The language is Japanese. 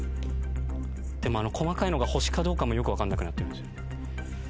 でもあの細かいのが星かどうかもよく分かんなくなってるんですよね。